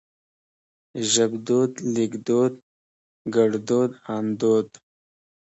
ژبدود ليکدود ګړدود اندود